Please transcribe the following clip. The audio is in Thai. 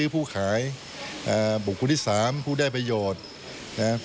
ผู้ขายบุคคลที่๓ผู้ได้ประโยชน์